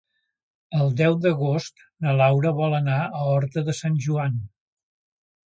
El deu d'agost na Laura vol anar a Horta de Sant Joan.